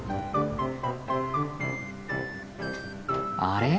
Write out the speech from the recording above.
あれ？